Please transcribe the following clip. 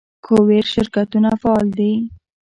د کوریر شرکتونه فعال دي؟